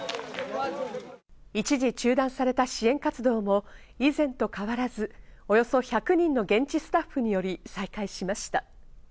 一時中断された支援活動も、以前と変わらずおよそ１００人の現地スタッフにより再開しました。